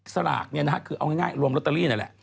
สลากคือเอาง่ายรวมลอตเตอรี่นี่แหละ